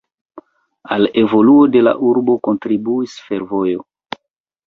Al evoluo de la urbo kontribuis fervojo.